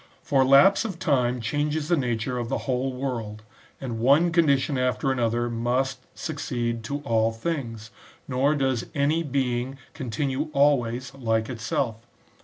For lapse of time changes the nature of the whole world, and one condition after another must succeed to all things, nor does any being con* tinue always like itself.